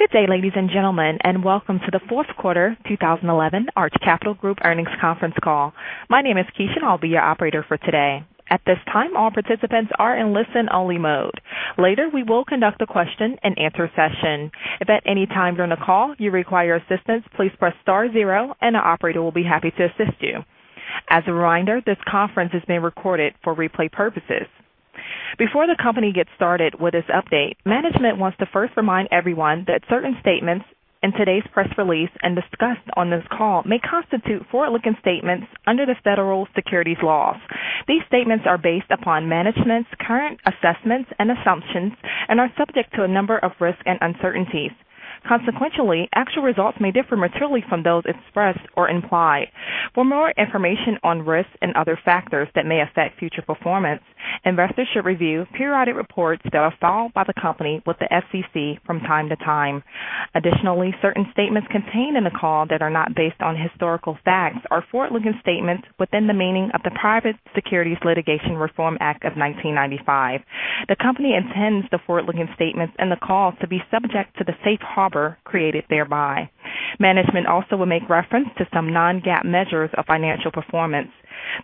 Good day, ladies and gentlemen, and welcome to the fourth quarter 2011 Arch Capital Group earnings conference call. My name is Keisha, and I'll be your operator for today. At this time, all participants are in listen-only mode. Later, we will conduct a question and answer session. If at any time during the call you require assistance, please press star zero and an operator will be happy to assist you. As a reminder, this conference is being recorded for replay purposes. Before the company gets started with its update, management wants to first remind everyone that certain statements in today's press release and discussed on this call may constitute forward-looking statements under the Federal Securities laws. These statements are based upon management's current assessments and assumptions and are subject to a number of risks and uncertainties. Actual results may differ materially from those expressed or implied. For more information on risks and other factors that may affect future performance, investors should review periodic reports that are filed by the company with the SEC from time to time. Additionally, certain statements contained in the call that are not based on historical facts are forward-looking statements within the meaning of the Private Securities Litigation Reform Act of 1995. The company intends the forward-looking statements and the calls to be subject to the safe harbor created thereby. Management also will make reference to some non-GAAP measures of financial performance.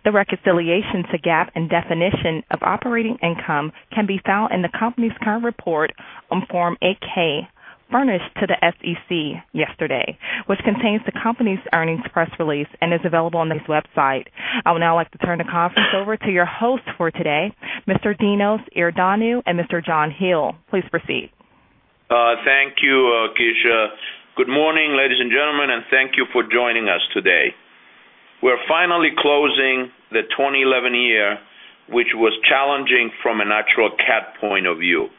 The reconciliation to GAAP and definition of operating income can be found in the company's current report on Form 8-K furnished to the SEC yesterday, which contains the company's earnings press release and is available on this website. I would now like to turn the conference over to your host for today, Mr. Dinos Iordanou and Mr. John Hele. Please proceed. Thank you, Keisha. Good morning, ladies and gentlemen, and thank you for joining us today. We're finally closing the 2011, which was challenging from an actual cat point of view.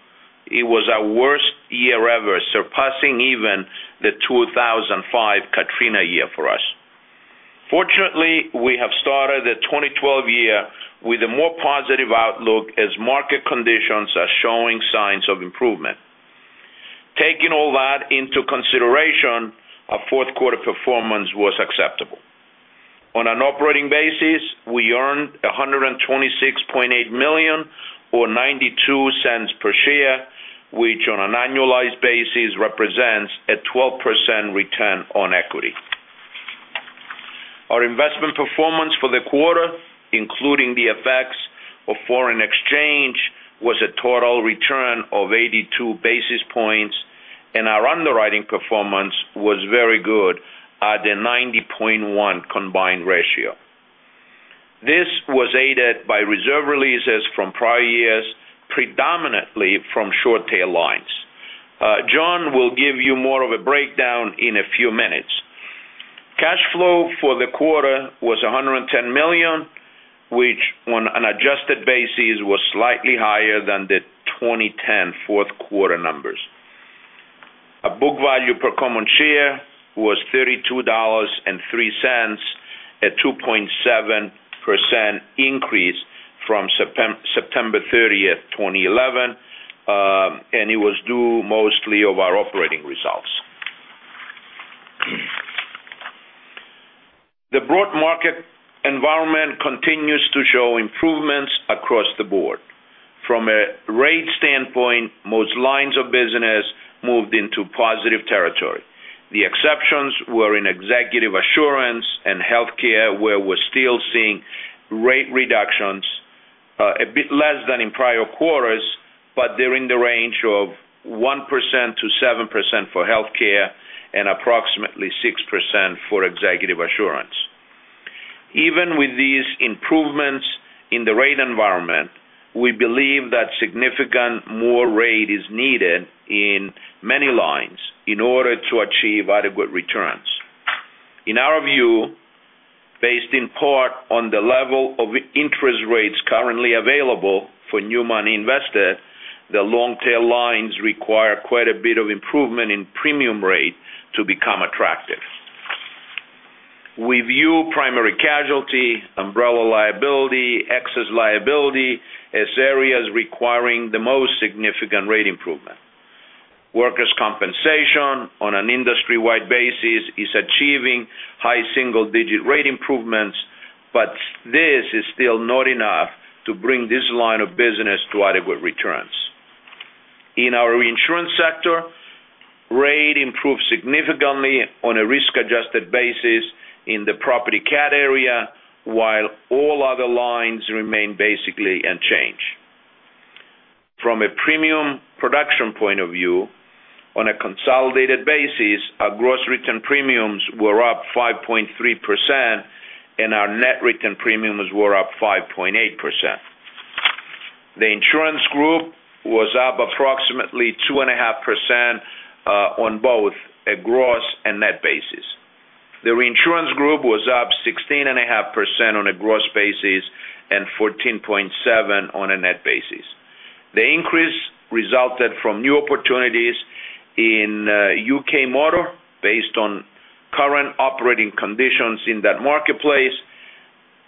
It was our worst year ever, surpassing even the 2005 Hurricane Katrina year for us. Fortunately, we have started the 2012 with a more positive outlook as market conditions are showing signs of improvement. Taking all that into consideration, our fourth quarter performance was acceptable. On an operating basis, we earned $126.8 million, or $0.92 per share, which on an annualized basis represents a 12% return on equity. Our investment performance for the quarter, including the effects of foreign exchange, was a total return of 82 basis points, and our underwriting performance was very good at a 90.1 combined ratio. This was aided by reserve releases from prior years, predominantly from short tail lines. John will give you more of a breakdown in a few minutes. Cash flow for the quarter was $110 million, which on an adjusted basis was slightly higher than the 2010 fourth quarter numbers. Our book value per common share was $32.3, a 2.7% increase from September 30th, 2011, and it was due mostly to our operating results. The broad market environment continues to show improvements across the board. From a rate standpoint, most lines of business moved into positive territory. The exceptions were in executive assurance and healthcare, where we're still seeing rate reductions, a bit less than in prior quarters, but they're in the range of 1%-7% for healthcare and approximately 6% for executive assurance. Even with these improvements in the rate environment, we believe that significantly more rate is needed in many lines in order to achieve adequate returns. In our view, based in part on the level of interest rates currently available for new money invested, the long-tail lines require quite a bit of improvement in premium rate to become attractive. We view primary casualty, umbrella liability, excess liability as areas requiring the most significant rate improvement. Workers' compensation on an industry-wide basis is achieving high single-digit rate improvements, this is still not enough to bring this line of business to adequate returns. In our reinsurance sector, rate improved significantly on a risk-adjusted basis in the property cat area, while all other lines remain basically unchanged. From a premium production point of view, on a consolidated basis, our gross written premiums were up 5.3%, and our net written premiums were up 5.8%. The insurance group was up approximately 2.5% on both a gross and net basis. The reinsurance group was up 16.5% on a gross basis and 14.7% on a net basis. The increase resulted from new opportunities in U.K. motor based on current operating conditions in that marketplace,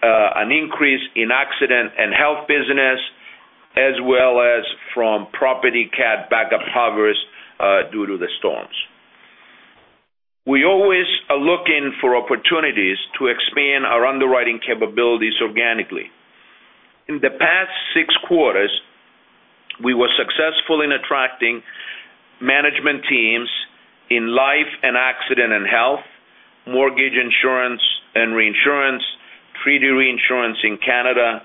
an increase in accident and health business, as well as from property cat backup covers due to the storms. We always are looking for opportunities to expand our underwriting capabilities organically. In the past six quarters, we were successful in attracting management teams in life and accident and health, mortgage insurance and reinsurance, treaty reinsurance in Canada,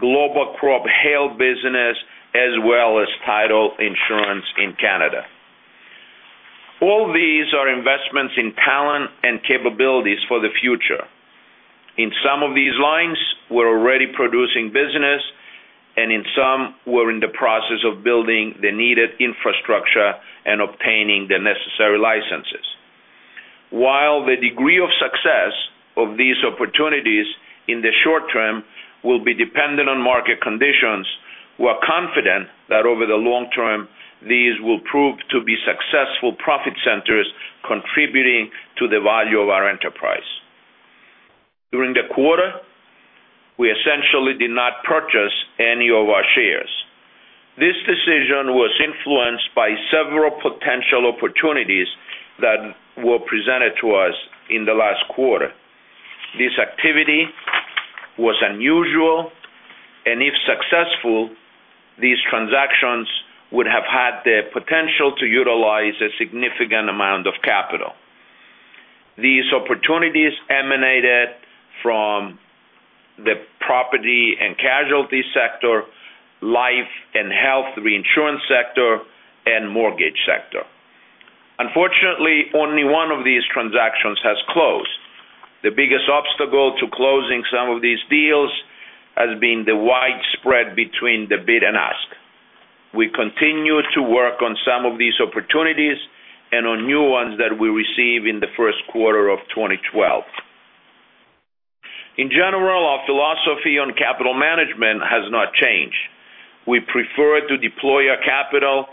global crop hail business, as well as title insurance in Canada. All these are investments in talent and capabilities for the future. In some of these lines, we're already producing business, and in some, we're in the process of building the needed infrastructure and obtaining the necessary licenses. While the degree of success of these opportunities in the short term will be dependent on market conditions, we're confident that over the long term, these will prove to be successful profit centers contributing to the value of our enterprise. During the quarter, we essentially did not purchase any of our shares. This decision was influenced by several potential opportunities that were presented to us in the last quarter. This activity was unusual, and if successful, these transactions would have had the potential to utilize a significant amount of capital. These opportunities emanated from the property and casualty sector, life and health reinsurance sector, and mortgage sector. Unfortunately, only one of these transactions has closed. The biggest obstacle to closing some of these deals has been the wide spread between the bid and ask. We continue to work on some of these opportunities and on new ones that we receive in the first quarter of 2012. In general, our philosophy on capital management has not changed. We prefer to deploy our capital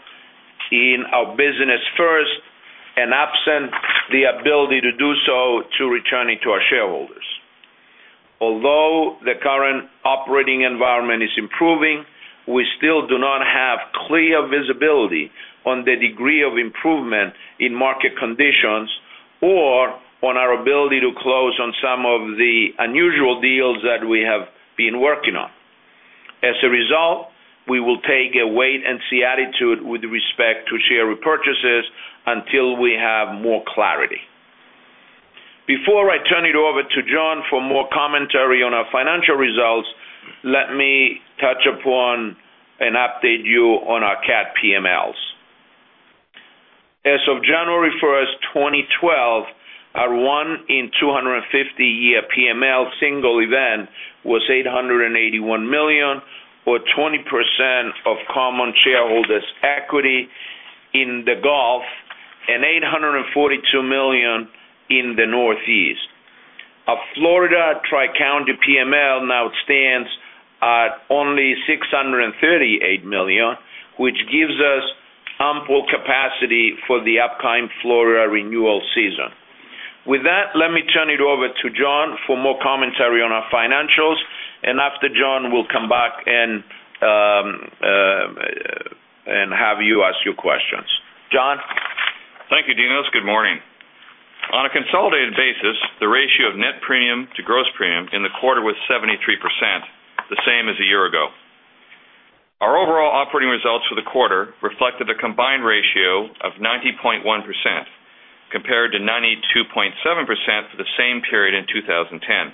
in our business first and absent the ability to do so to returning to our shareholders. Although the current operating environment is improving, we still do not have clear visibility on the degree of improvement in market conditions or on our ability to close on some of the unusual deals that we have been working on. As a result, we will take a wait and see attitude with respect to share repurchases until we have more clarity. Before I turn it over to John for more commentary on our financial results, let me touch upon and update you on our cat PMLs. As of January 1st, 2012, our one in 250-year PML single event was $881 million or 20% of common shareholders equity in the Gulf and $842 million in the Northeast. Our Florida Tri-County PML now stands at only $638 million, which gives us ample capacity for the upcoming Florida renewal season. With that, let me turn it over to John for more commentary on our financials. After John, we'll come back and have you ask your questions. John? Thank you, Dinos. Good morning. On a consolidated basis, the ratio of net premium to gross premium in the quarter was 73%, the same as a year ago. Our overall operating results for the quarter reflected a combined ratio of 90.1% compared to 92.7% for the same period in 2010.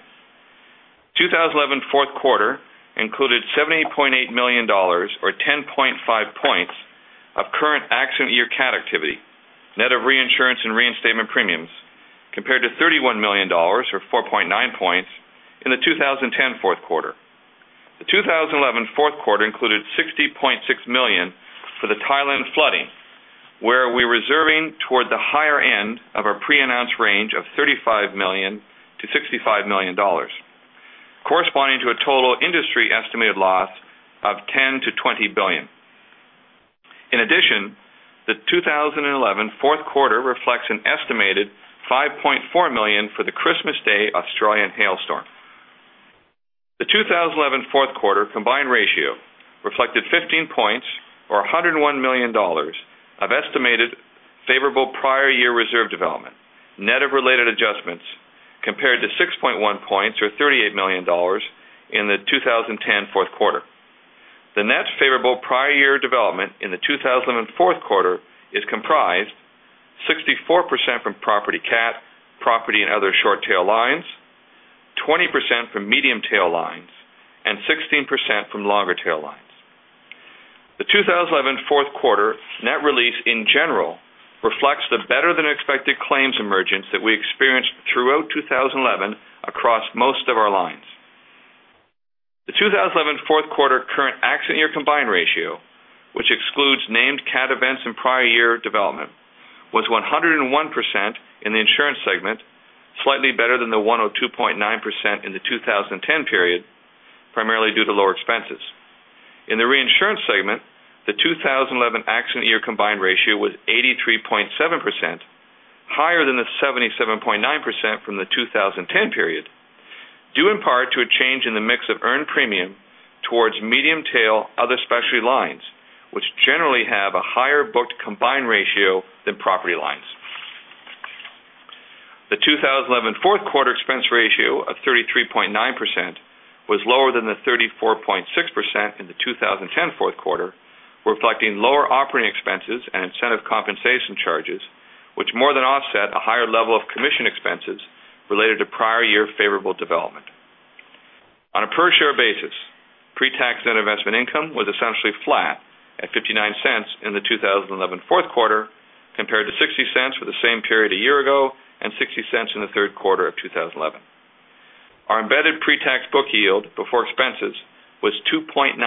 2011 fourth quarter included $78.8 million or 10.5 points of current accident year cat activity, net of reinsurance and reinstatement premiums, compared to $31 million or 4.9 points in the 2010 fourth quarter. The 2011 fourth quarter included $60.6 million for the Thailand flooding, where we're reserving toward the higher end of our pre-announced range of $35 million-$65 million, corresponding to a total industry estimated loss of $10 billion-$20 billion. In addition, the 2011 fourth quarter reflects an estimated $5.4 million for the Christmas Day Australian hailstorm. The 2011 fourth quarter combined ratio reflected 15 points or $101 million of estimated favorable prior year reserve development, net of related adjustments, compared to 6.1 points or $38 million in the 2010 fourth quarter. The net favorable prior year development in the 2011 fourth quarter is comprised 64% from property cat, property and other short tail lines, 20% from medium tail lines, and 16% from longer tail lines. The 2011 fourth quarter net release in general reflects the better-than-expected claims emergence that we experienced throughout 2011 across most of our lines. The 2011 fourth quarter current accident year combined ratio, which excludes named cat events in prior year development, was 101% in the insurance segment, slightly better than the 102.9% in the 2010 period, primarily due to lower expenses. In the reinsurance segment, the 2011 accident year combined ratio was 83.7%, higher than the 77.9% from the 2010 period Due in part to a change in the mix of earned premium towards medium tail other specialty lines, which generally have a higher booked combined ratio than property lines. The 2011 fourth quarter expense ratio of 33.9% was lower than the 34.6% in the 2010 fourth quarter, reflecting lower operating expenses and incentive compensation charges, which more than offset a higher level of commission expenses related to prior year favorable development. On a per-share basis, pre-tax net investment income was essentially flat at $0.59 in the 2011 fourth quarter, compared to $0.60 for the same period a year ago, and $0.60 in the third quarter of 2011. Our embedded pre-tax book yield before expenses was 2.98%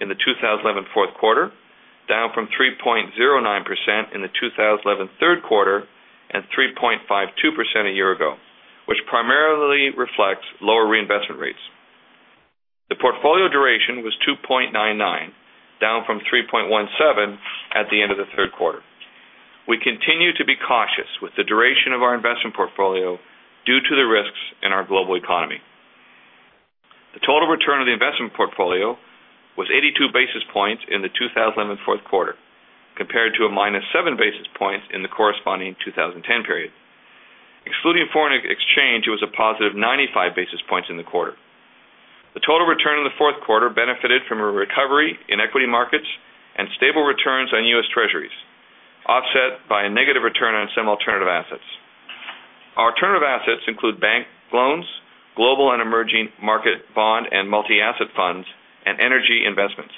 in the 2011 fourth quarter, down from 3.09% in the 2011 third quarter and 3.52% a year ago, which primarily reflects lower reinvestment rates. The portfolio duration was 2.99, down from 3.17 at the end of the third quarter. We continue to be cautious with the duration of our investment portfolio due to the risks in our global economy. The total return of the investment portfolio was 82 basis points in the 2011 fourth quarter, compared to a minus 7 basis points in the corresponding 2010 period. Excluding foreign exchange, it was a positive 95 basis points in the quarter. The total return in the fourth quarter benefited from a recovery in equity markets and stable returns on U.S. Treasuries, offset by a negative return on some alternative assets. Our alternative assets include bank loans, global and emerging market bond and multi-asset funds, and energy investments.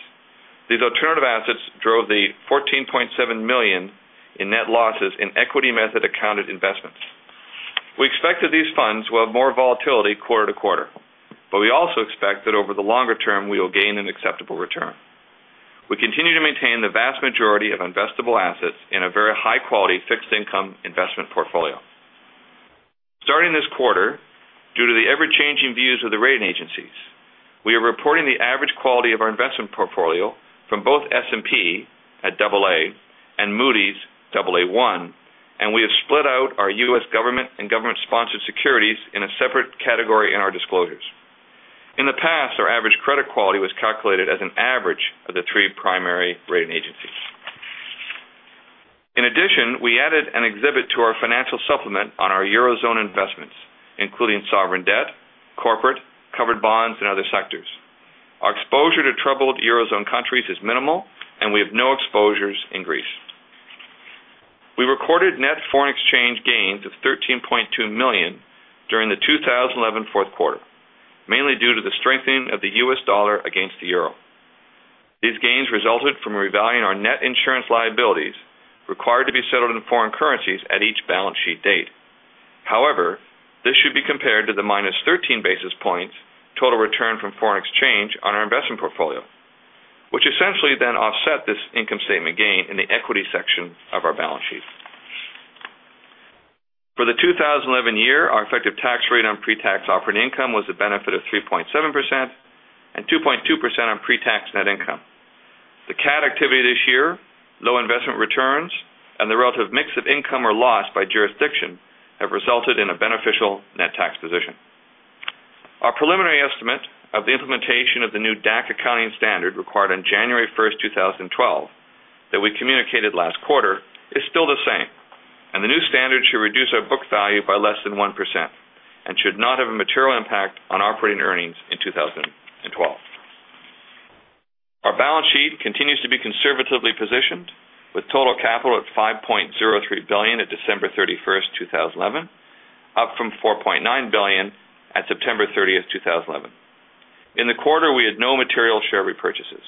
These alternative assets drove the $14.7 million in net losses in equity method accounted investments. We expect that these funds will have more volatility quarter to quarter, but we also expect that over the longer term, we will gain an acceptable return. We continue to maintain the vast majority of investable assets in a very high-quality fixed income investment portfolio. Starting this quarter, due to the ever-changing views of the rating agencies, we are reporting the average quality of our investment portfolio from both S&P at double A and Moody's double A1, and we have split out our U.S. government and government-sponsored securities in a separate category in our disclosures. In the past, our average credit quality was calculated as an average of the three primary rating agencies. We added an exhibit to our financial supplement on our Eurozone investments, including sovereign debt, corporate, covered bonds, and other sectors. Our exposure to troubled Eurozone countries is minimal, and we have no exposures in Greece. We recorded net foreign exchange gains of $13.2 million during the 2011 fourth quarter, mainly due to the strengthening of the U.S. dollar against the euro. These gains resulted from revaluing our net insurance liabilities required to be settled in foreign currencies at each balance sheet date. This should be compared to the minus 13 basis points total return from foreign exchange on our investment portfolio, which essentially then offset this income statement gain in the equity section of our balance sheet. For the 2011 year, our effective tax rate on pre-tax operating income was a benefit of 3.7% and 2.2% on pre-tax net income. The cat activity this year, low investment returns, and the relative mix of income or loss by jurisdiction have resulted in a beneficial net tax position. Our preliminary estimate of the implementation of the new DAC accounting standard required on January 1st, 2012, that we communicated last quarter, is still the same, and the new standard should reduce our book value by less than 1% and should not have a material impact on operating earnings in 2012. Our balance sheet continues to be conservatively positioned with total capital at $5.03 billion at December 31st, 2011, up from $4.9 billion at September 30th, 2011. In the quarter, we had no material share repurchases.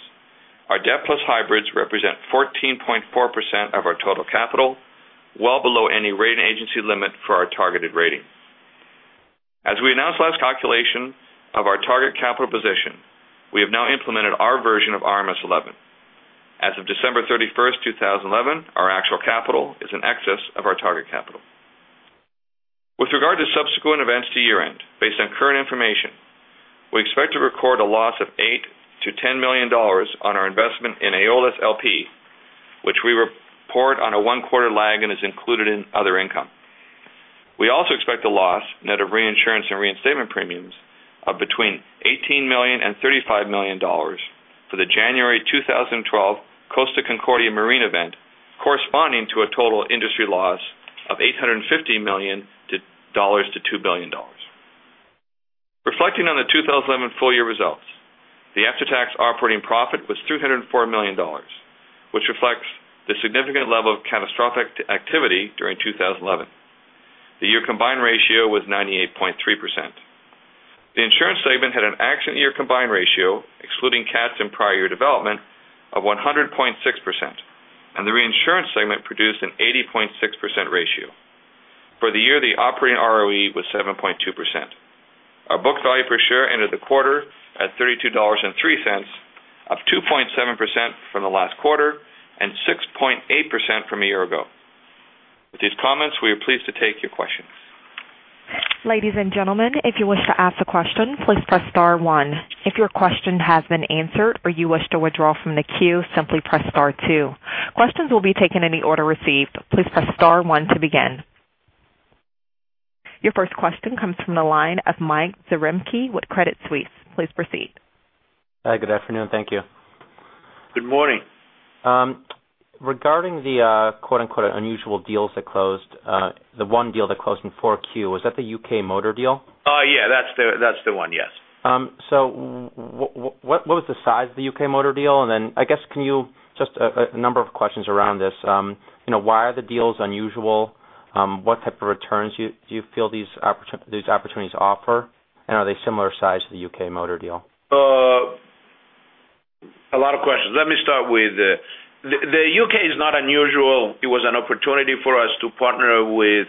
Our debt plus hybrids represent 14.4% of our total capital, well below any rating agency limit for our targeted rating. As we announced last calculation of our target capital position, we have now implemented our version of RMS v11. As of December 31st, 2011, our actual capital is in excess of our target capital. With regard to subsequent events to year-end, based on current information, we expect to record a loss of $8 million to $10 million on our investment in AOLAS LP, which we report on a one-quarter lag and is included in other income. We also expect a loss net of reinsurance and reinstatement premiums of between $18 million and $35 million for the January 2012 Costa Concordia marine event, corresponding to a total industry loss of $850 million to $2 billion. Reflecting on the 2011 full-year results, the after-tax operating profit was $204 million, which reflects the significant level of catastrophic activity during 2011. The year combined ratio was 98.3%. The insurance segment had an accident year combined ratio, excluding cats and prior year development, of 100.6%, and the reinsurance segment produced an 80.6% ratio. For the year, the operating ROE was 7.2%. Our book value per share ended the quarter at $32.3, up 2.7% from the last quarter and 6.8% from a year ago. With these comments, we are pleased to take your questions. Ladies and gentlemen, if you wish to ask a question, please press star one. If your question has been answered or you wish to withdraw from the queue, simply press star two. Questions will be taken in the order received. Please press star one to begin. Your first question comes from the line of Michael Zaremski with Credit Suisse. Please proceed. Hi, good afternoon. Thank you. Good morning. Regarding the "unusual deals" that closed, the one deal that closed in 4Q, was that the U.K. motor deal? Yeah, that's the one. Yes. What was the size of the U.K. motor deal? Then I guess, just a number of questions around this. Why are the deals unusual? What type of returns do you feel these opportunities offer? Are they similar size to the U.K. motor deal? A lot of questions. Let me start with, the U.K. is not unusual. It was an opportunity for us to partner with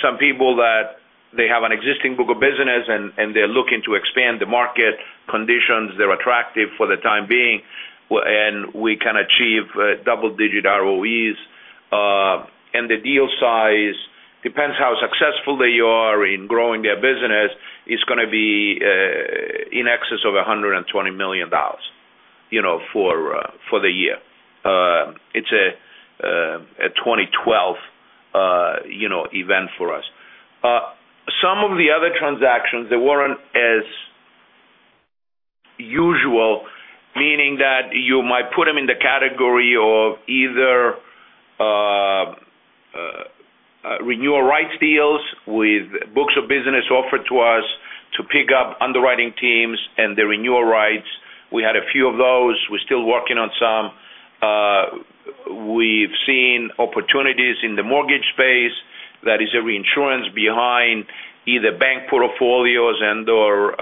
some people that they have an existing book of business, and they're looking to expand the market conditions. They're attractive for the time being, and we can achieve double-digit ROEs. The deal size depends how successful they are in growing their business. It's going to be in excess of $120 million for the year. It's a 2012 event for us. Some of the other transactions, they weren't as usual, meaning that you might put them in the category of either renewal rights deals with books of business offered to us to pick up underwriting teams and the renewal rights. We had a few of those. We're still working on some. We've seen opportunities in the mortgage space. That is a reinsurance behind either bank portfolios and/or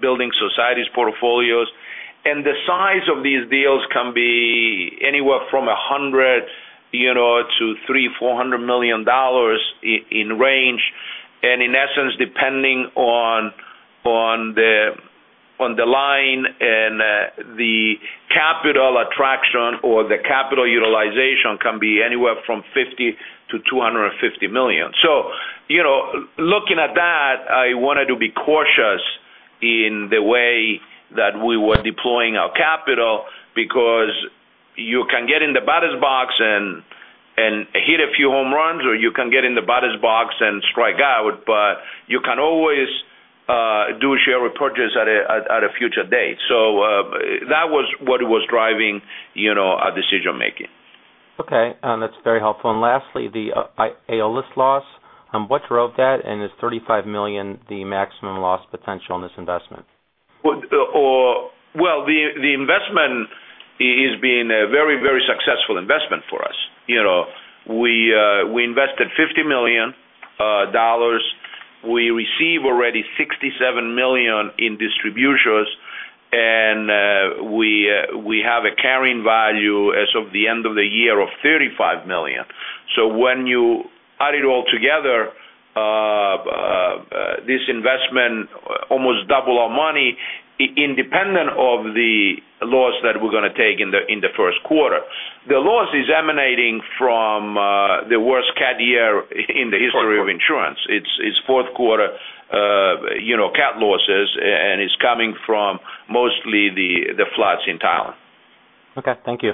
building societies portfolios. The size of these deals can be anywhere from $100 million to $300 million, $400 million in range. In essence, depending on the line and the capital attraction or the capital utilization can be anywhere from $50 million-$250 million. Looking at that, I wanted to be cautious in the way that we were deploying our capital because you can get in the batter's box and hit a few home runs, or you can get in the batter's box and strike out, but you can always do a share repurchase at a future date. That was what was driving our decision-making. Okay. That's very helpful. Lastly, the AOLAS loss. What drove that? Is $35 million the maximum loss potential on this investment? Well, the investment is being a very successful investment for us. We invested $50 million. We receive already $67 million in distributions, and we have a carrying value as of the end of the year of $35 million. When you add it all together, this investment almost double our money, independent of the loss that we're going to take in the first quarter. The loss is emanating from the worst cat year in the history of insurance. It's fourth quarter cat losses, and it's coming from mostly the floods in Thailand. Okay. Thank you.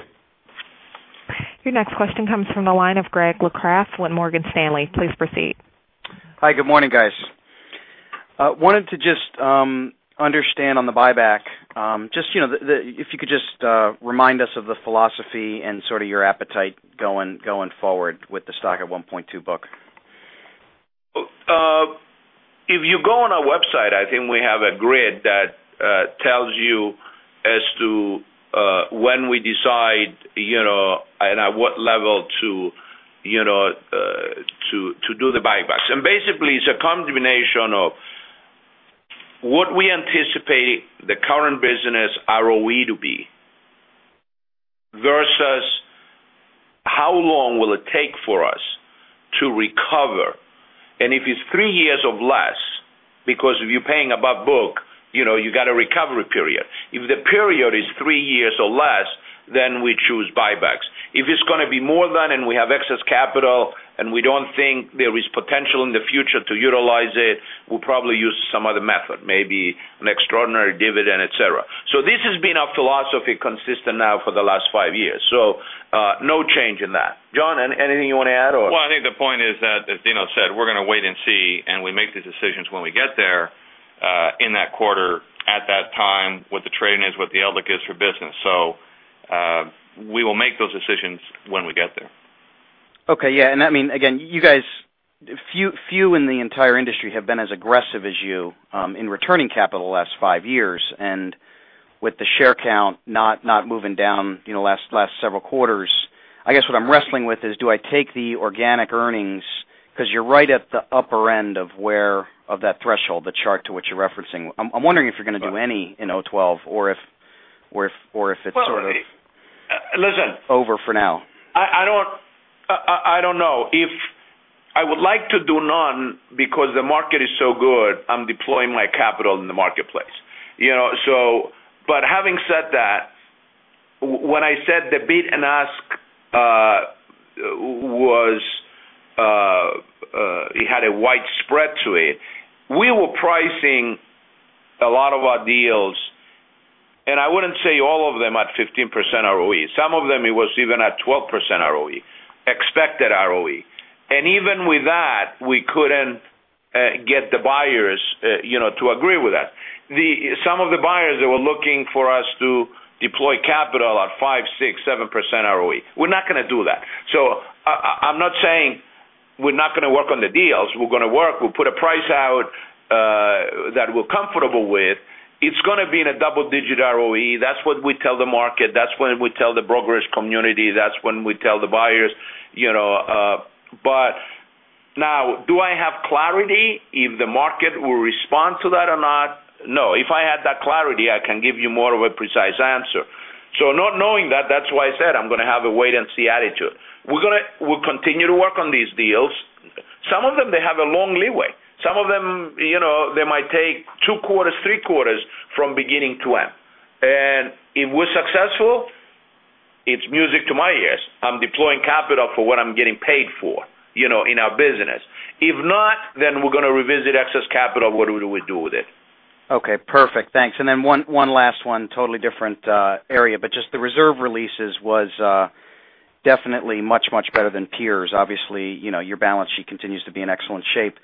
Your next question comes from the line of Gregory Locraft with Morgan Stanley. Please proceed. Hi, good morning, guys. I wanted to just understand on the buyback, if you could just remind us of the philosophy and sort of your appetite going forward with the stock at 1.2 book. If you go on our website, I think we have a grid that tells you as to when we decide, and at what level to do the buybacks. Basically, it's a combination of what we anticipate the current business ROE to be versus how long will it take for us to recover. If it's 3 years of less, because if you're paying above book, you got a recovery period. If the period is 3 years or less, we choose buybacks. If it's going to be more than, and we have excess capital, and we don't think there is potential in the future to utilize it, we'll probably use some other method, maybe an extraordinary dividend, et cetera. This has been our philosophy consistent now for the last 5 years. No change in that. John, anything you want to add, or? Well, I think the point is that, as Dinos said, we're going to wait and see, and we make the decisions when we get there, in that quarter, at that time, what the trading is, what the outlook is for business. We will make those decisions when we get there. Okay. Yeah. I mean, again, you guys, few in the entire industry have been as aggressive as you in returning capital the last 5 years. With the share count not moving down the last several quarters, I guess what I'm wrestling with is do I take the organic earnings? Because you're right at the upper end of that threshold, the chart to which you're referencing. I'm wondering if you're going to do any in 2012 or if it's sort of- Listen over for now. I don't know. I would like to do none because the market is so good. I'm deploying my capital in the marketplace. Having said that, when I said the bid and ask had a wide spread to it. We were pricing a lot of our deals, I wouldn't say all of them at 15% ROE. Some of them it was even at 12% ROE, expected ROE. Even with that, we couldn't get the buyers to agree with that. Some of the buyers they were looking for us to deploy capital at 5%, 6%, 7% ROE. We're not going to do that. I'm not saying we're not going to work on the deals. We're going to work. We'll put a price out that we're comfortable with. It's going to be in a double-digit ROE. That's what we tell the market, that's what we tell the brokerage community, that's what we tell the buyers. Now, do I have clarity if the market will respond to that or not? No. If I had that clarity, I can give you more of a precise answer. Not knowing that's why I said I'm going to have a wait-and-see attitude. We'll continue to work on these deals. Some of them they have a long leeway. Some of them might take 2 quarters, 3 quarters from beginning to end. If we're successful, it's music to my ears. I'm deploying capital for what I'm getting paid for in our business. If not, we're going to revisit excess capital, what do we do with it? Okay, perfect. Thanks. One last one, totally different area, just the reserve releases was definitely much, much better than peers. Obviously, your balance sheet continues to be in excellent shape.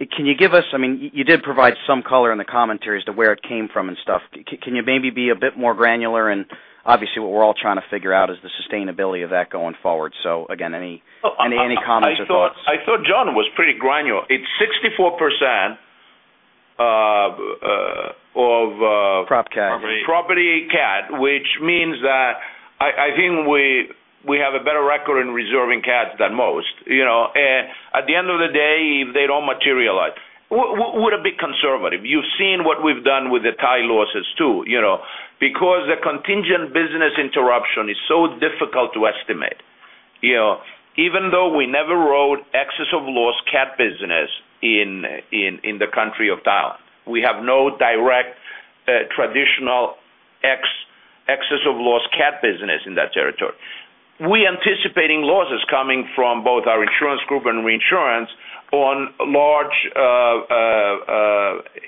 You did provide some color in the commentary as to where it came from and stuff. Can you maybe be a bit more granular? Obviously what we're all trying to figure out is the sustainability of that going forward. Again, any comments or thoughts? I thought John was pretty granular. It's 64% of. Prop CAT. property CAT, which means that I think we have a better record in reserving CAT than most. At the end of the day, if they don't materialize, we're a bit conservative. You've seen what we've done with the Thai losses too. The contingent business interruption is so difficult to estimate. Even though we never wrote excess of loss CAT business in the country of Thailand. We have no direct traditional excess of loss CAT business in that territory. We're anticipating losses coming from both our insurance group and reinsurance on large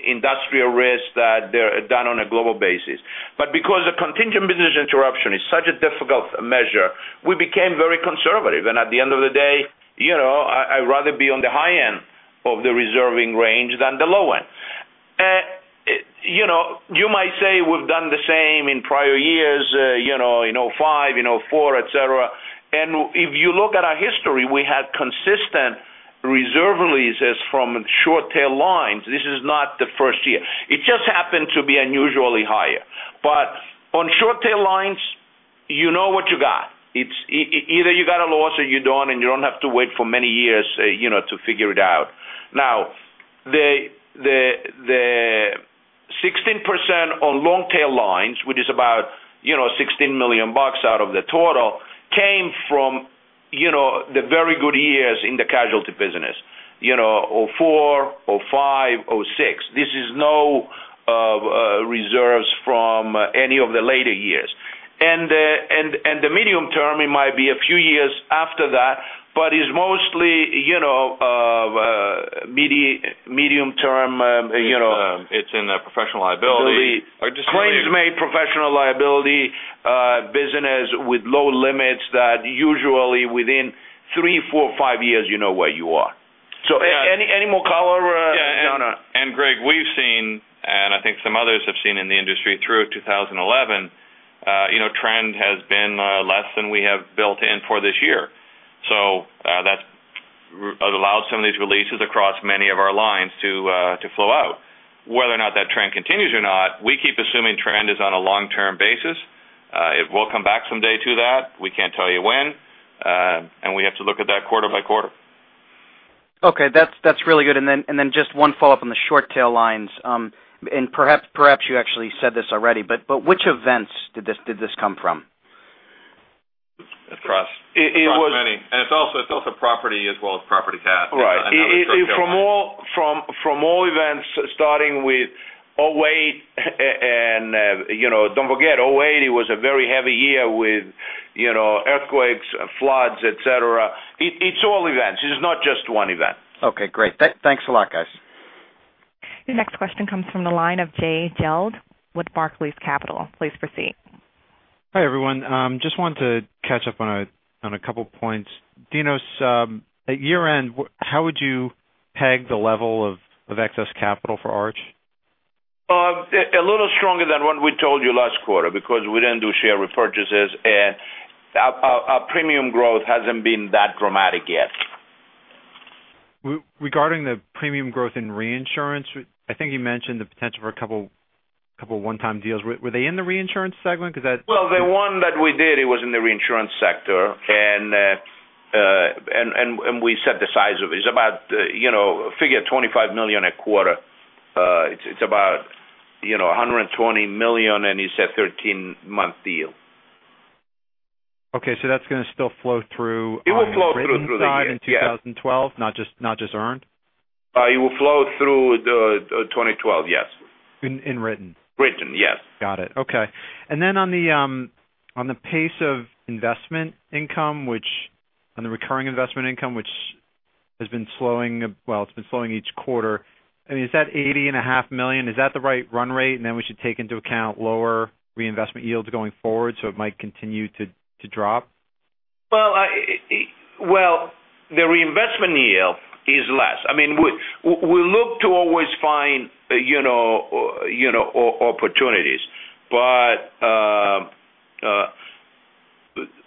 industrial risks that they're done on a global basis. Because the contingent business interruption is such a difficult measure, we became very conservative. At the end of the day, I'd rather be on the high end of the reserving range than the low end. You might say we've done the same in prior years, in 2005, in 2004, et cetera. If you look at our history, we had consistent reserve releases from short-tail lines. This is not the first year. It just happened to be unusually higher. On short-tail lines, you know what you got. It's either you got a loss or you don't, and you don't have to wait for many years to figure it out. The 16% on long-tail lines, which is about $16 million out of the total, came from the very good years in the casualty business, 2004, 2005, 2006. This is no reserves from any of the later years. The medium term, it might be a few years after that, but is mostly medium term. It's in the professional liability or just. Claims made professional liability business with low limits that usually within three, four, five years, you know where you are. Any more color, John? Yeah. Greg, we've seen, and I think some others have seen in the industry through 2011, trend has been less than we have built in for this year. That's allowed some of these releases across many of our lines to flow out. Whether or not that trend continues or not, we keep assuming trend is on a long-term basis. It will come back someday to that. We can't tell you when. We have to look at that quarter by quarter. Okay. That's really good. Then just one follow-up on the short tail lines. Perhaps you actually said this already, but which events did this come from? Across many. It's also property as well as property CAT. Right. From all events starting with 2008. Don't forget, 2008 was a very heavy year with earthquakes, floods, et cetera. It's all events. It's not just one event. Okay, great. Thanks a lot, guys. Your next question comes from the line of Jay Gelb with Barclays Capital. Please proceed. Hi, everyone. Just wanted to catch up on a couple points. Dinos, at year-end, how would you peg the level of excess capital for Arch? A little stronger than what we told you last quarter because we didn't do share repurchases, and our premium growth hasn't been that dramatic yet. Regarding the premium growth in reinsurance, I think you mentioned the potential for a couple one-time deals. Were they in the reinsurance segment? Well, the one that we did, it was in the reinsurance sector, and we set the size of it. It's about figure $25 million a quarter. It's about $120 million, and it's a 13-month deal. Okay, that's going to still flow through. It will flow through the year in 2012, not just earned? It will flow through 2012, yes. In written? Written, yes. Got it. Okay. On the pace of investment income, on the recurring investment income, which has been slowing each quarter, is that $80.5 million, is that the right run rate? We should take into account lower reinvestment yields going forward, so it might continue to drop. The reinvestment yield is less. We look to always find opportunities.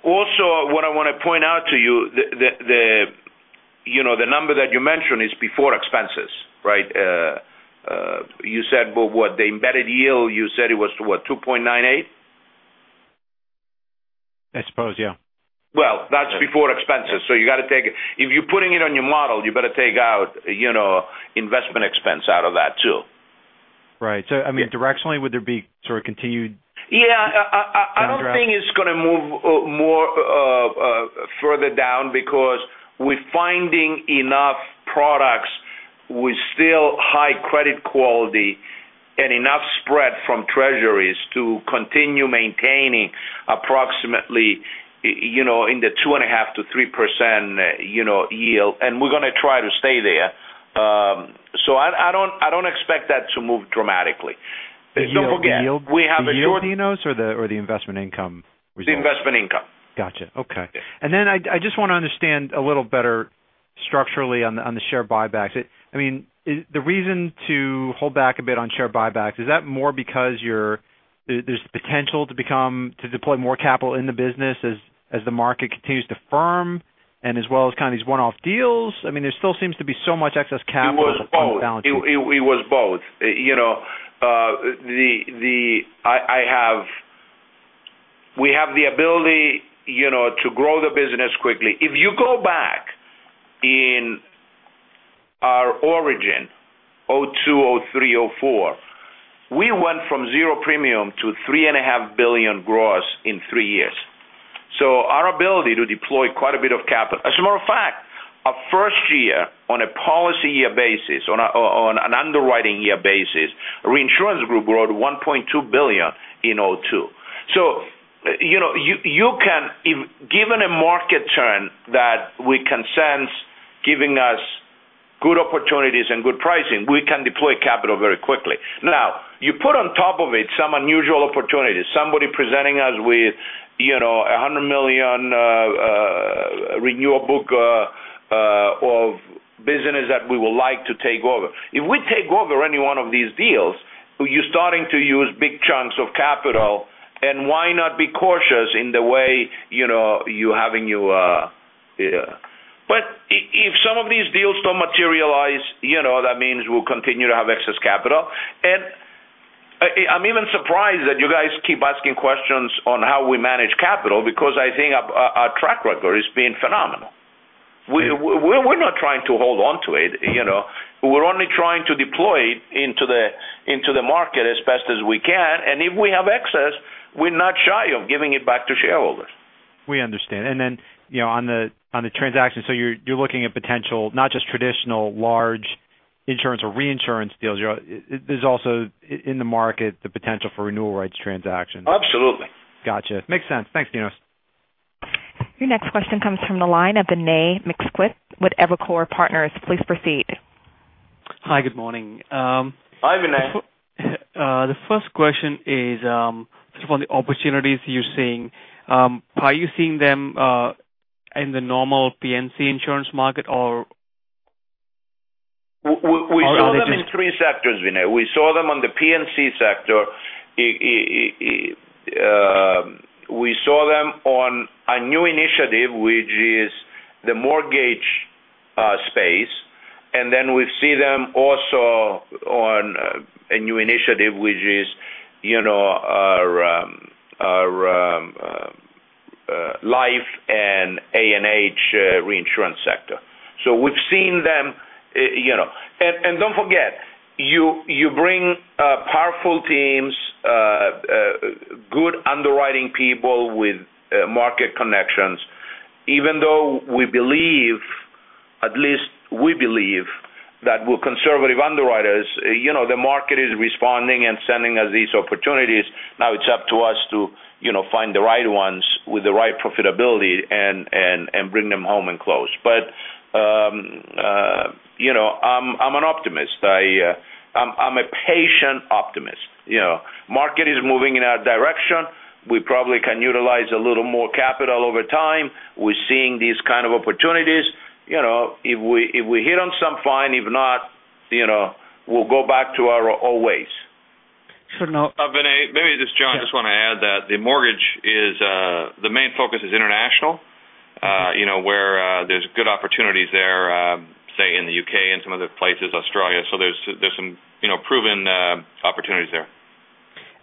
Also what I want to point out to you, the number that you mentioned is before expenses, right? You said, what the embedded yield, you said it was what, 2.98%? I suppose, yeah. Well, that's before expenses, so if you're putting it on your model, you better take out investment expense out of that, too. Right. Directionally, would there be sort of Yeah. I don't think it's going to move more further down because we're finding enough products with still high credit quality and enough spread from Treasuries to continue maintaining approximately in the 2.5%-3% yield. We're going to try to stay there. I don't expect that to move dramatically. Don't forget, we have a The yield, Dinos, or the investment income result? The investment income. Got you. Okay. I just want to understand a little better structurally on the share buybacks. The reason to hold back a bit on share buybacks, is that more because there's potential to deploy more capital in the business as the market continues to firm and as well as kind of these one-off deals? There still seems to be so much excess capital on the balance sheet. It was both. We have the ability to grow the business quickly. If you go back in our origin, 2002, 2003, 2004, we went from zero premium to $3.5 billion gross in three years. Our ability to deploy quite a bit of capital. As a matter of fact, our first year on a policy year basis, on an underwriting year basis, reinsurance group grew out to $1.2 billion in 2002. Given a market turn that we can sense giving us good opportunities and good pricing, we can deploy capital very quickly. Now, you put on top of it some unusual opportunities, somebody presenting us with $100 million renewable book of business that we would like to take over. If we take over any one of these deals, you're starting to use big chunks of capital, and why not be cautious in the way. If some of these deals don't materialize, that means we'll continue to have excess capital. I'm even surprised that you guys keep asking questions on how we manage capital, because I think our track record has been phenomenal. We're not trying to hold onto it. We're only trying to deploy into the market as best as we can. If we have excess, we're not shy of giving it back to shareholders. We understand. On the transaction, you're looking at potential, not just traditional large insurance or reinsurance deals. There's also in the market the potential for renewal rights transactions. Absolutely. Got you. Makes sense. Thanks, Dinos. Your next question comes from the line of Vinay Misquith with Evercore Partners. Please proceed. Hi. Good morning. Hi, Vinay. The first question is sort of on the opportunities you're seeing. Are you seeing them in the normal P&C insurance market or other- We saw them in three sectors, Vinay. We saw them on the P&C sector. We saw them on a new initiative, which is the mortgage space, and then we see them also on a new initiative, which is our life and A&H reinsurance sector. We've seen them. Don't forget, you bring powerful teams, good underwriting people with market connections. Even though we believe, at least we believe, that we're conservative underwriters, the market is responding and sending us these opportunities. Now it's up to us to find the right ones with the right profitability and bring them home and close. I'm an optimist. I'm a patient optimist. Market is moving in our direction. We probably can utilize a little more capital over time. We're seeing these kind of opportunities. If we hit on some, fine. If not, we'll go back to our old ways. Now- Vinay, maybe just John, I just want to add that the mortgage, the main focus is international, where there's good opportunities there, say in the U.K. and some other places, Australia. There's some proven opportunities there.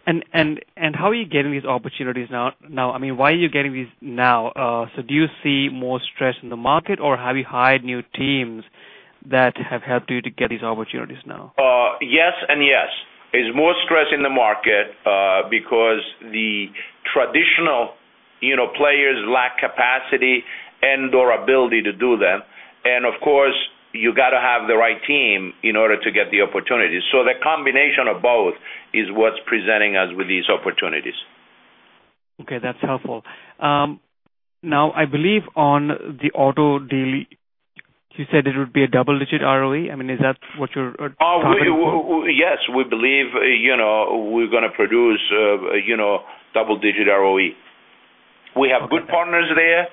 How are you getting these opportunities now? Why are you getting these now? Do you see more stress in the market, or have you hired new teams that have helped you to get these opportunities now? Yes and yes. There's more stress in the market because the traditional players lack capacity and or ability to do that. Of course, you got to have the right team in order to get the opportunities. The combination of both is what's presenting us with these opportunities. Okay, that's helpful. Now I believe on the auto deal, you said it would be a double-digit ROE. Is that what you're targeting for? Yes. We believe we're going to produce double-digit ROE. We have good partners there.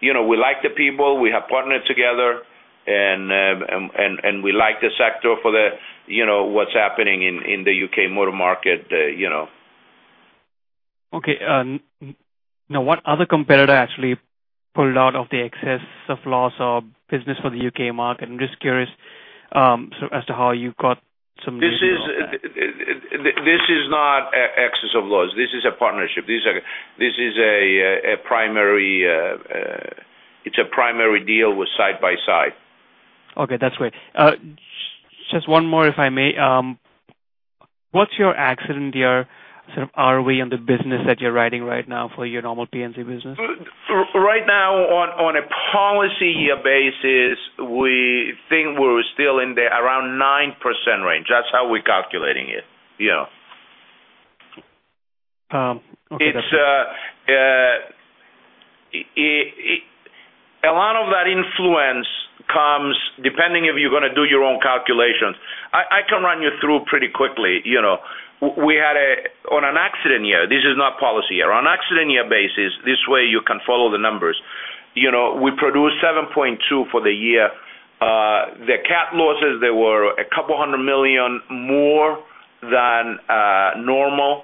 We like the people. We have partnered together, and we like the sector for what's happening in the U.K. motor market. Okay. What other competitor actually pulled out of the excess of loss business for the U.K. market? I'm just curious as to how you got some news of that. This is not excess of loss. This is a partnership. It's a primary deal with Side by Side. Okay, that's great. Just one more, if I may. What's your accident year ROE on the business that you're writing right now for your normal P&C business? Right now on a policy year basis, we think we're still in around 9% range. That's how we're calculating it. Okay. That's great. A lot of that influence comes depending if you're going to do your own calculations. I can run you through pretty quickly. On an accident year, this is not policy year. On accident year basis, this way you can follow the numbers. We produced 7.2% for the year. The cat losses, they were $a couple hundred million more than normal.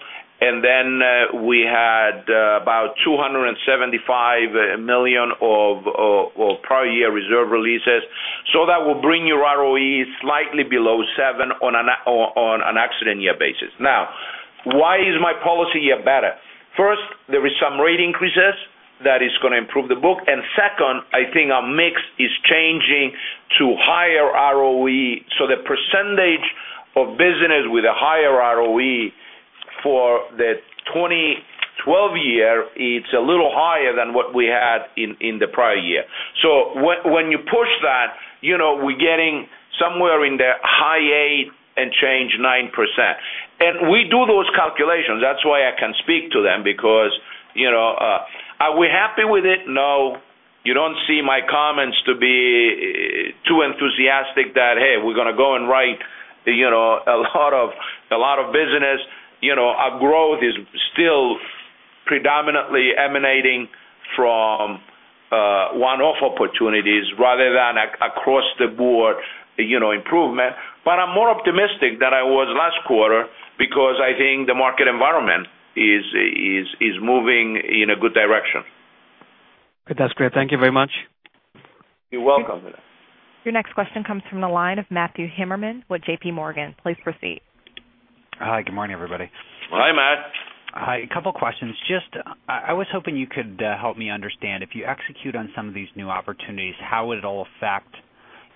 Then we had about $275 million of prior year reserve releases. That will bring your ROE slightly below 7% on an accident year basis. Now, why is my policy year better? First, there is some rate increases that is going to improve the book. Second, I think our mix is changing to higher ROE. The percentage of business with a higher ROE for the 2012 year, it's a little higher than what we had in the prior year. When you push that, we're getting somewhere in the high 8% and change 9%. We do those calculations. That's why I can speak to them because are we happy with it? No. You don't see my comments to be too enthusiastic that, hey, we're going to go and write a lot of business. Our growth is still predominantly emanating from one-off opportunities rather than across the board improvement. I'm more optimistic than I was last quarter because I think the market environment is moving in a good direction. That's great. Thank you very much. You're welcome. Your next question comes from the line of Matthew Timmerman with J.P. Morgan. Please proceed. Hi, good morning, everybody. Hi, Matt. Hi, a couple questions. Just, I was hoping you could help me understand, if you execute on some of these new opportunities, how would it all affect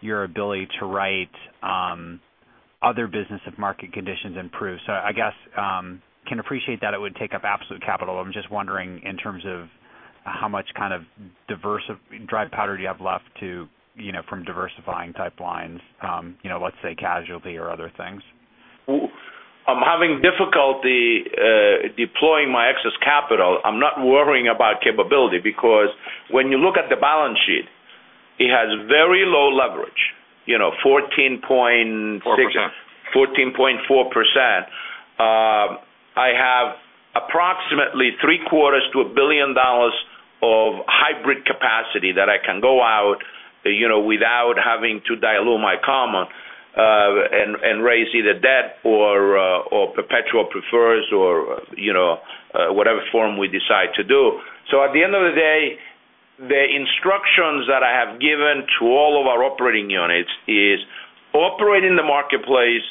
your ability to write other business if market conditions improve? I guess, can appreciate that it would take up absolute capital. I'm just wondering in terms of how much kind of dry powder do you have left from diversifying type lines, let's say casualty or other things? I'm having difficulty deploying my excess capital. I'm not worrying about capability because when you look at the balance sheet, it has very low leverage, 14.6- 4% 14.4%. I have approximately three quarters to $1 billion of hybrid capacity that I can go out without having to dilute my common and raise either debt or perpetual prefers or whatever form we decide to do. At the end of the day, the instructions that I have given to all of our operating units is operate in the marketplace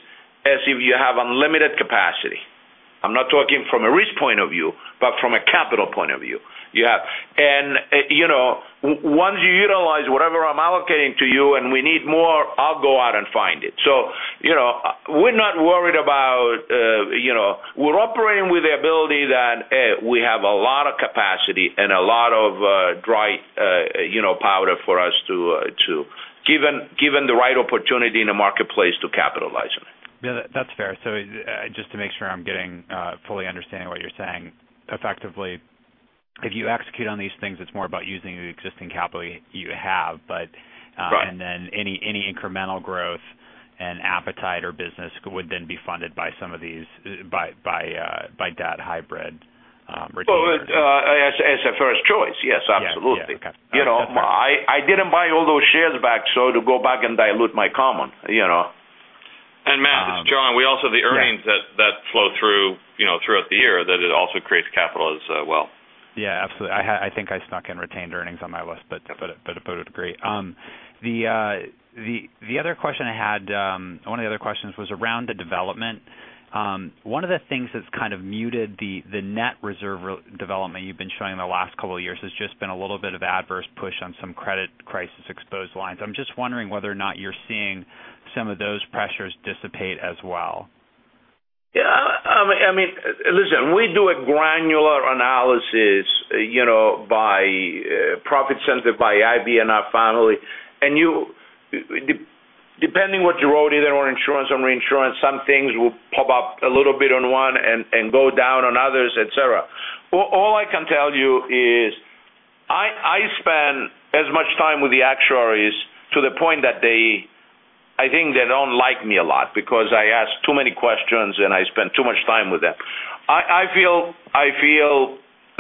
as if you have unlimited capacity. I'm not talking from a risk point of view, but from a capital point of view. Once you utilize whatever I'm allocating to you and we need more, I'll go out and find it. We're operating with the ability that we have a lot of capacity and a lot of dry powder for us, given the right opportunity in the marketplace to capitalize on it. Yeah, that's fair. Just to make sure I'm fully understanding what you're saying. Effectively, if you execute on these things, it's more about using the existing capital you have. Right. Any incremental growth and appetite or business would then be funded by that hybrid return. As a first choice, yes, absolutely. Yeah. Okay. That's fair. I didn't buy all those shares back to go back and dilute my common. Matt, it's John. We also have the earnings that flow through throughout the year that it also creates capital as well. Yeah, absolutely. I think I snuck in retained earnings on my list, but to a degree. The other question I had was around the development. One of the things that's kind of muted the net reserve development you've been showing the last couple of years has just been a little bit of adverse push on some credit crisis exposed lines. I'm just wondering whether or not you're seeing some of those pressures dissipate as well. Listen, we do a granular analysis by profit center, by IB and our family, and depending what you wrote, either on insurance or reinsurance, some things will pop up a little bit on one and go down on others, et cetera. All I can tell you is, I spend as much time with the actuaries to the point that I think they don't like me a lot because I ask too many questions and I spend too much time with them. I feel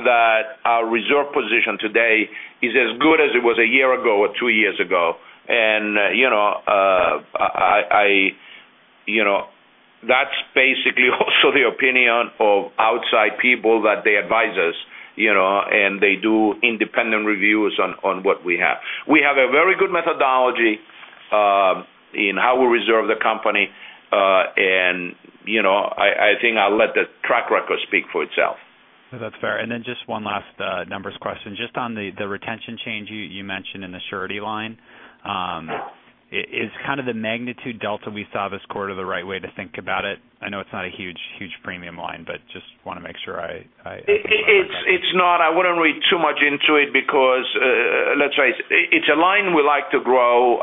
that our reserve position today is as good as it was a year ago or two years ago. That's basically also the opinion of outside people that they advise us, and they do independent reviews on what we have. We have a very good methodology in how we reserve the company. I think I'll let the track record speak for itself. That's fair. Just one last numbers question. Just on the retention change you mentioned in the surety line. Is kind of the magnitude delta we saw this quarter the right way to think about it? I know it's not a huge premium line, but just want to make sure I- It's not, I wouldn't read too much into it because, let's face it's a line we like to grow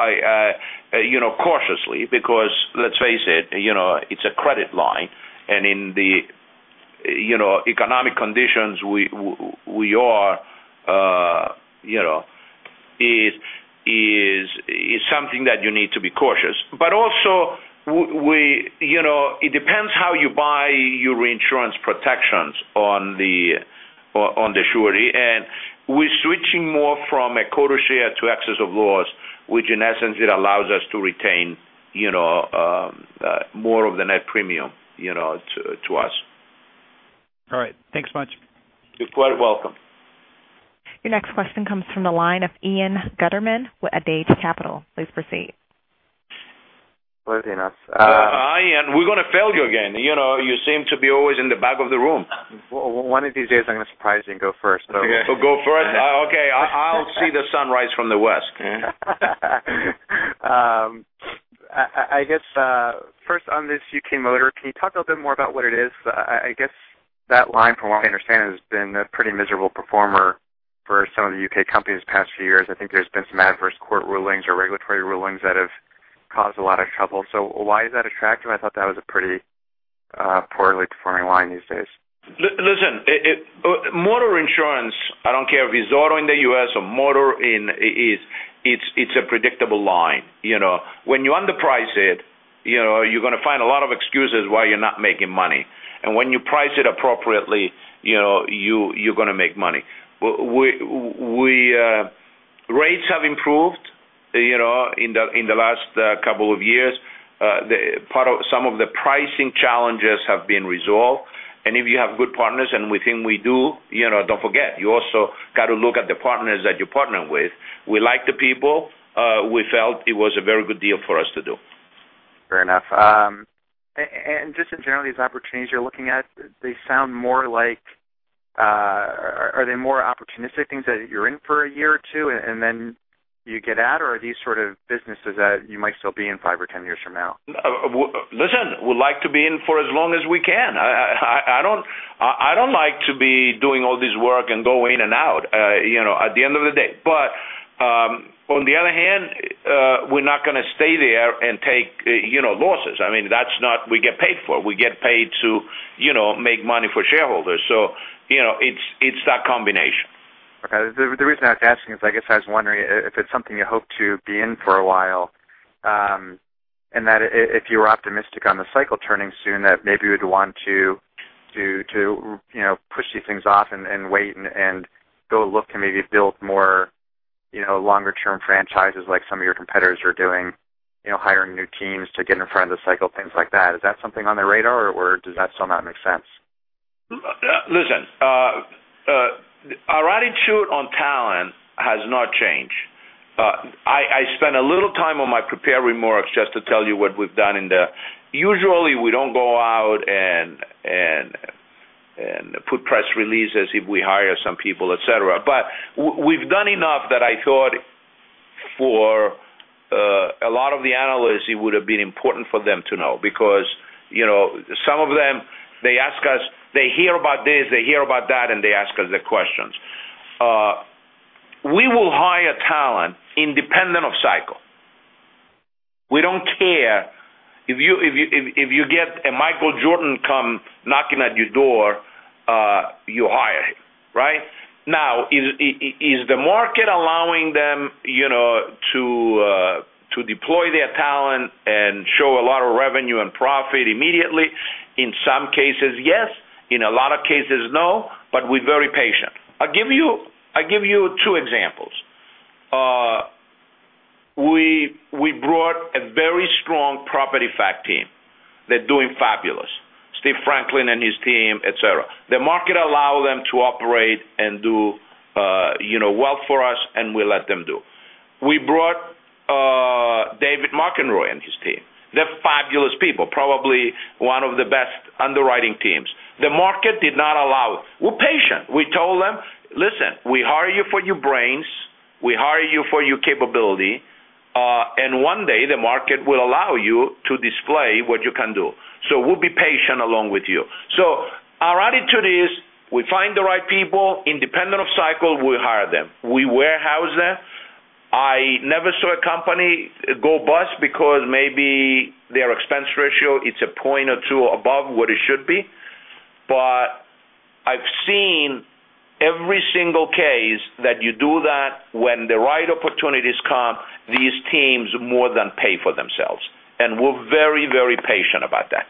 cautiously because let's face it's a credit line, and in the economic conditions we are, is something that you need to be cautious. Also, it depends how you buy your insurance protections on the surety. We're switching more from a quota share to excess of loss, which in essence, it allows us to retain more of the net premium to us. All right. Thanks much. You're quite welcome. Your next question comes from the line of Ian Gutterman at Balyasny Asset Management. Please proceed. Hi, Ian. We're going to fail you again. You seem to be always in the back of the room. One of these days I'm going to surprise you and go first. Go first? Okay. I'll see the sun rise from the west. I guess, first on this U.K. motor, can you talk a little bit more about what it is? I guess that line, from what I understand, has been a pretty miserable performer for some of the U.K. companies the past few years. I think there's been some adverse court rulings or regulatory rulings that have caused a lot of trouble. Why is that attractive? I thought that was a pretty poorly performing line these days. Listen, motor insurance, I don't care if it's auto in the U.S. or motor, it's a predictable line. When you underprice it, you're going to find a lot of excuses why you're not making money. When you price it appropriately, you're going to make money. Rates have improved in the last couple of years. Some of the pricing challenges have been resolved. If you have good partners, and we think we do, don't forget, you also got to look at the partners that you partner with. We like the people. We felt it was a very good deal for us to do. Fair enough. Just in general, these opportunities you're looking at, they sound more like, are they more opportunistic things that you're in for a year or two and then you get out, or are these sort of businesses that you might still be in five or 10 years from now? Listen, we like to be in for as long as we can. I don't like to be doing all this work and go in and out, at the end of the day. On the other hand, we're not going to stay there and take losses. That's not what we get paid for. We get paid to make money for shareholders. It's that combination. Okay. The reason I was asking is, I guess I was wondering if it's something you hope to be in for a while, and that if you were optimistic on the cycle turning soon, that maybe you would want to push these things off and wait and go look and maybe build more longer-term franchises like some of your competitors are doing, hiring new teams to get in front of the cycle, things like that. Is that something on the radar, or does that still not make sense? Listen, our attitude on talent has not changed. I spent a little time on my prepared remarks just to tell you what we've done. Usually we don't go out and put press releases if we hire some people, et cetera. We've done enough that I thought for a lot of the analysts, it would have been important for them to know because some of them, they hear about this, they hear about that, and they ask us the questions. We will hire talent independent of cycle. We don't care if you get a Michael Jordan come knocking at your door, you hire him. Right? Now, is the market allowing them to deploy their talent and show a lot of revenue and profit immediately? In some cases, yes. In a lot of cases, no. We're very patient. I'll give you two examples. We brought a very strong property fac team. They're doing fabulous. Steve Franklin and his team, et cetera. The market allow them to operate and do well for us, and we let them do. We brought David McElroy and his team. They're fabulous people. Probably one of the best underwriting teams. The market did not allow it. We're patient. We told them, "Listen, we hire you for your brains. We hire you for your capability." One day the market will allow you to display what you can do. We'll be patient along with you. Our attitude is, we find the right people independent of cycle, we hire them. We warehouse them. I never saw a company go bust because maybe their expense ratio, it's a point or two above what it should be. I've seen every single case that you do that when the right opportunities come, these teams more than pay for themselves. We're very, very patient about that.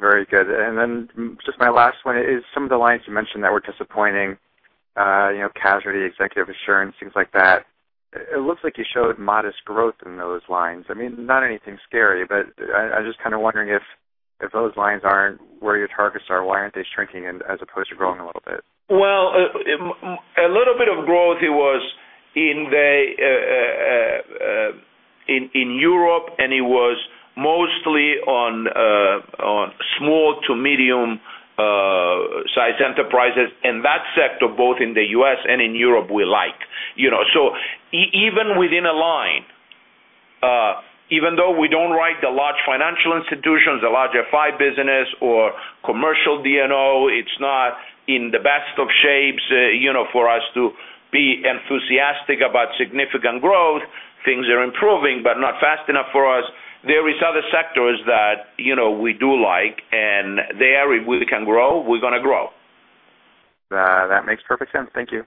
Very good. Then just my last one is some of the lines you mentioned that were disappointing, casualty, executive assurance, things like that. It looks like you showed modest growth in those lines. I mean, not anything scary, but I was just kind of wondering if those lines aren't where your targets are, why aren't they shrinking as opposed to growing a little bit? Well, a little bit of growth was in Europe, and it was mostly on small to medium size enterprises. That sector, both in the U.S. and in Europe, we like. Even within a line, even though we don't write the large financial institutions, the large FI business or commercial D&O, it's not in the best of shapes for us to be enthusiastic about significant growth. Things are improving, not fast enough for us. There is other sectors that we do like, there if we can grow, we're going to grow. That makes perfect sense. Thank you.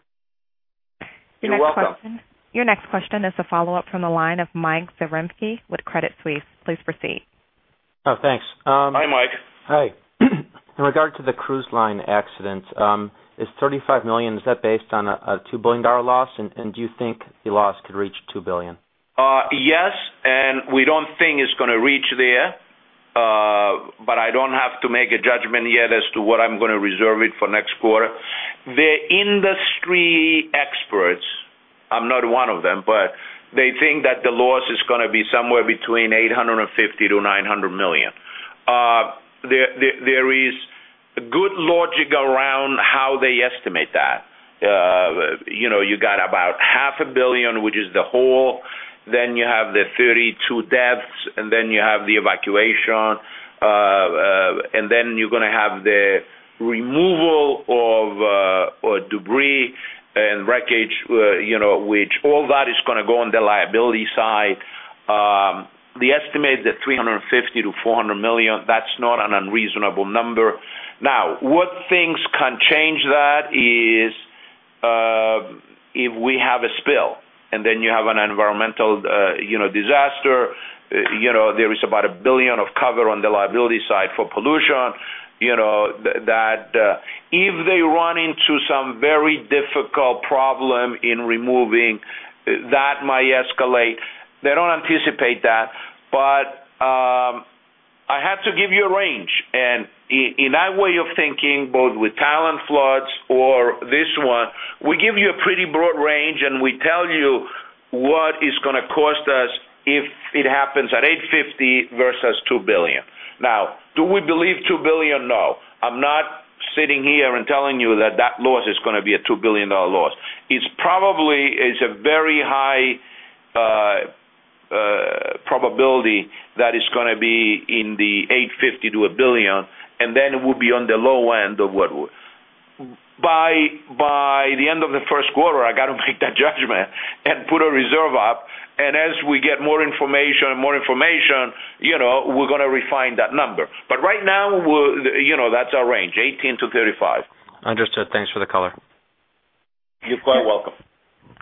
You're welcome. Your next question is a follow-up from the line of Michael Zaremski with Credit Suisse. Please proceed. Oh, thanks. Hi, Mike. Hi. In regard to the cruise line accident, is $35 million, is that based on a $2 billion loss? Do you think the loss could reach $2 billion? Yes, we don't think it's going to reach there. I don't have to make a judgment yet as to what I'm going to reserve it for next quarter. The industry experts, I'm not one of them, but they think that the loss is going to be somewhere between $850 million-$900 million. There is good logic around how they estimate that. You got about half a billion, which is the hull. Then you have the 32 deaths, you have the evacuation. You're going to have the removal of debris and wreckage, which all that is going to go on the liability side. The estimate is at $350 million-$400 million. That's not an unreasonable number. What things can change that is if we have a spill, you have an environmental disaster. There is about $1 billion of cover on the liability side for pollution. If they run into some very difficult problem in removing, that might escalate. They don't anticipate that. I have to give you a range. In our way of thinking, both with Thailand floods or this one, we give you a pretty broad range, and we tell you what is going to cost us if it happens at $850 versus $2 billion. Do we believe $2 billion? No. I'm not sitting here and telling you that that loss is going to be a $2 billion loss. It's a very high probability that it's going to be in the $850 million to $1 billion, it will be on the low end of what we By the end of the first quarter, I got to make that judgment and put a reserve up. As we get more information, we're going to refine that number. Right now, that's our range, $18-$35. Understood. Thanks for the color. You're quite welcome.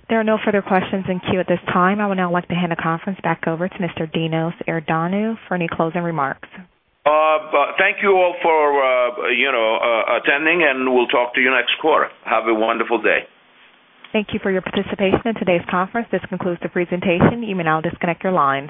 There are no further questions in queue at this time. I would now like to hand the conference back over to Mr. Constantine Iordanou for any closing remarks. Thank you all for attending, and we'll talk to you next quarter. Have a wonderful day. Thank you for your participation in today's conference. This concludes the presentation. You may now disconnect your lines.